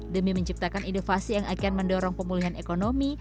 demi menciptakan inovasi yang akan mendorong pemulihan ekonomi